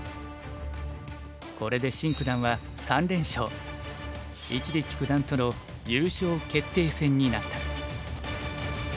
これでシン九段は３連勝一力九段との優勝決定戦になった。